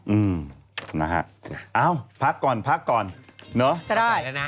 อืมนะฮะเอ้าพักก่อนเนอะจะได้เลยนะ